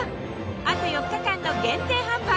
あと４日間の限定販売！